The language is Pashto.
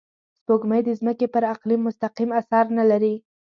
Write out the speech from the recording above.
سپوږمۍ د ځمکې پر اقلیم مستقیم اثر نه لري